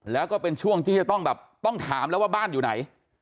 แล้วก็เป็นช่วงที่จะต้องแบบต้องถามแล้วว่าบ้านอยู่ไหน